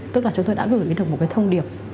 tức là chúng tôi đã gửi đi được một cái thông điệp